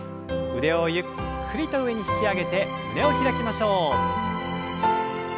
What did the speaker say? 腕をゆっくりと上に引き上げて胸を開きましょう。